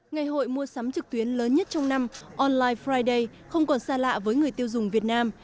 ngày hội mua sắm trực tuyến lớn nhất trong năm online friday không còn xa lạ với người tiêu dùng việt nam